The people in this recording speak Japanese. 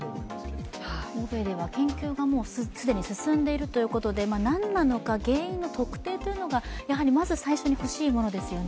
欧米では研究が既に進んでいるということで、なんなのか原因の特定というのがまず最初に欲しいものですよね。